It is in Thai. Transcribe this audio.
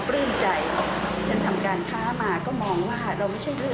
ร่วมกันอย่างไร